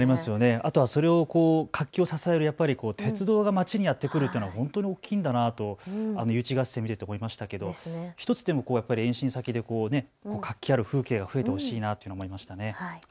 あとそれを活気を支える鉄道が街にやって来るというのは本当に大きいんだなと、誘致合戦見ると思い思いましたけど１つでも延伸先で活気ある風景が増えてほしいなと思いました。